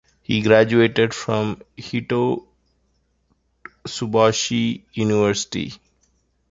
He graduated from Hitotsubashi University.